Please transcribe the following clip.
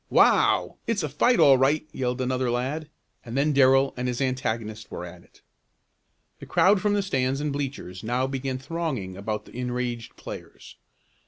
"Wow! It's a fight all right!" yelled another lad, and then Darrell and his antagonist were at it. The crowd from the stands and bleachers now began thronging about the enraged players.